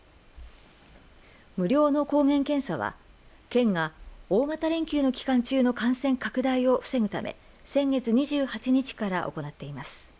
無料の抗原検査は県が大型連休の期間中の感染拡大を防ぐため先月２８日から行っています。